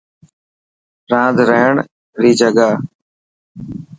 راند رهڻ ري جڳهه.